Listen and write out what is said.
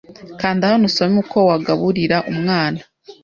Kanda hano usome uko wagaburira umwana